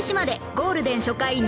ゴールデン初回２時間